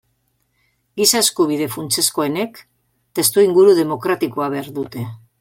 Giza-eskubide funtsezkoenek testuinguru demokratikoa behar dute.